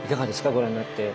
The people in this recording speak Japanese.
ご覧になって。